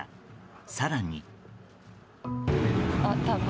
更に。